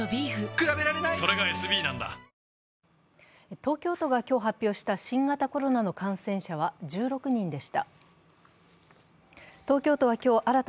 東京都が今日発表した新型コロナの感染者は１６人でした。